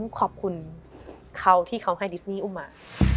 ขอบคุณเขาที่เขาให้ลิฟนี่อุ้มมา